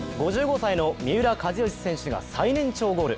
５５歳の三浦知良選手が最年長ゴール。